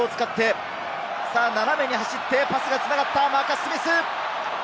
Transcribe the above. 後ろを使って、斜めに走ってパスが繋がった、マーカス・スミス。